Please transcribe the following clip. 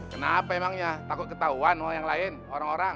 kenapa emangnya takut ketahuan sama yang lain orang orang